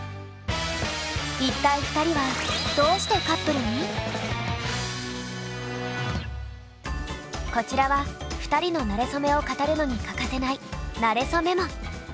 一体２人はこちらは２人のなれそめを語るのに欠かせない「なれそメモ」。